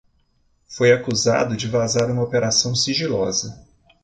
Foi acusado de vazar uma operação sigilosa.